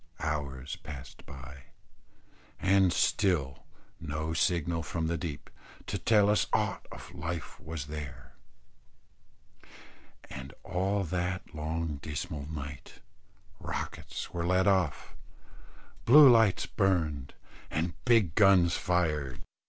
Hours passed by, and still no signal from the deep, to tell us aught of life was there; and all that long dismal night, rockets were let off, bluelights burned, and big guns fired.